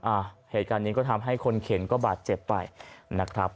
อ่ะเหตุการณ์นี้ก็ทำให้คนเข็นก็บาดเจ็บไปนะครับ